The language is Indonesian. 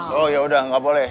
oh ya udah gak boleh